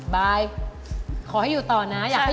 บายขอให้อยู่ต่อนะ